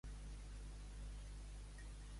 Els seus successors foren xamanistes.